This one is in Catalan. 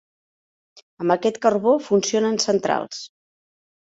Amb aquest carbó funcionen centrals.